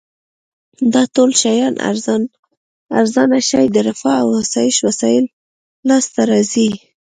که ټول شیان ارزانه شي د رفاه او اسایش وسایل لاس ته راځي.